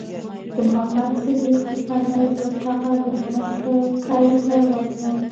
د محمد صدیق پسرلي پر ټغر د هنر کړکۍ ته ورغلم.